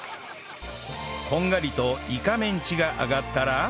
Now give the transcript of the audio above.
こんがりとイカメンチが揚がったら